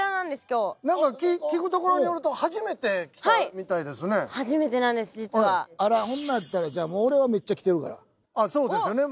今日何か聞くところによると初めて来たみたいですね初めてなんです実はあらほんなやったら俺はメッチャ来てるからそうですよね